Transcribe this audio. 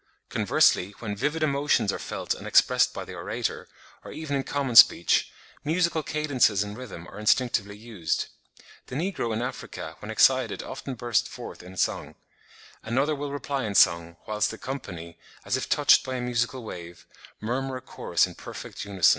Conversely, when vivid emotions are felt and expressed by the orator, or even in common speech, musical cadences and rhythm are instinctively used. The negro in Africa when excited often bursts forth in song; "another will reply in song, whilst the company, as if touched by a musical wave, murmur a chorus in perfect unison."